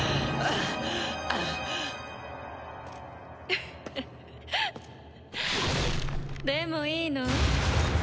フフッでもいいの？